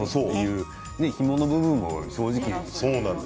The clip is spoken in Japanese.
ひもの部分は正直。